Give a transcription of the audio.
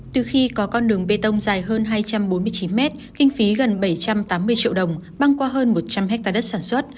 từ khi có con đường bê tông dài hơn hai trăm bốn mươi chín mét kinh phí gần bảy trăm tám mươi triệu đồng